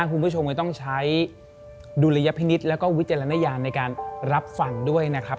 คุณผู้ชมก็ต้องใช้ดุลยพินิษฐ์แล้วก็วิจารณญาณในการรับฟังด้วยนะครับ